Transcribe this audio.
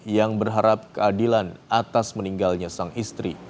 yang berharap keadilan atas meninggalnya sang istri